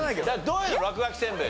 どういうの？